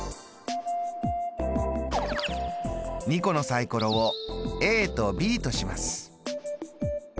２個のサイコロをＡとＢとします。